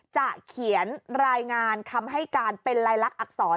เขียนรายงานคำให้การเป็นลายลักษณอักษร